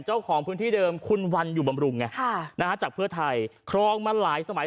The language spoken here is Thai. เจ้าของพื้นที่เดิมคุณวันอยู่บำรุงไงจากเพื่อไทยครองมาหลายสมัย